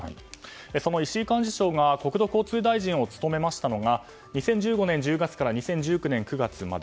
その石井幹事長が国土交通大臣を務めたのが２０１５年１０月から２０１９年９月まで。